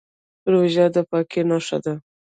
روژه د پاکۍ نښه ده.